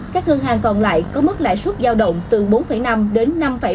các ngân hàng còn lại có mức lãi suất giao động từ bốn năm đến năm bốn mươi năm